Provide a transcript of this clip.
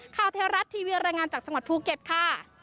เทวรัฐทีวีรายงานจากจังหวัดภูเก็ตค่ะ